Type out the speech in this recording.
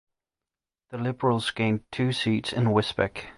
The Liberals gained two seats in Wisbech.